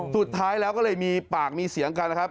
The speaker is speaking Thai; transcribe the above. สุดท้ายแล้วก็เลยมีปากมีเสียงกันนะครับ